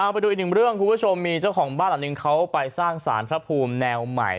ไปดูอีกเรื่องคุณผู้ชมมีเจ้าของบ้านอย่างนึงเขาไปสร้างศาสนครับภูมิแนวใหม่